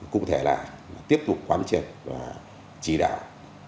cụ thể là tiếp tục quán triệt và chỉ đạo